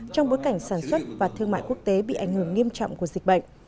trong bối cảnh sản xuất và thương mại quốc tế bị ảnh hưởng nghiêm trọng của dịch bệnh